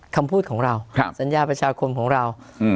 คำพูดของเราสัญญาประชาคมของเรา